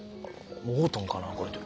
合うとんかなこれって。